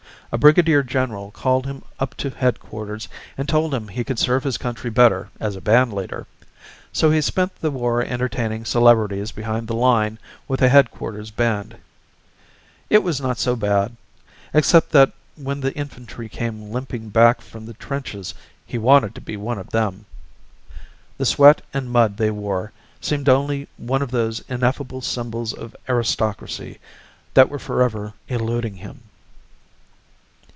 A brigadier general called him up to headquarters and told him he could serve his country better as a band leader so he spent the war entertaining celebrities behind the line with a headquarters band. It was not so bad except that when the infantry came limping back from the trenches he wanted to be one of them. The sweat and mud they wore seemed only one of those ineffable symbols of aristocracy that were forever eluding him.